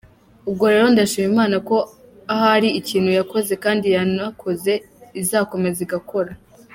Ubwo rero ndashima Imana ko ahri ikintu yakoze kandi yanakoze izakomeza igakora.